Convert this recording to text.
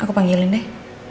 aku panggilan deh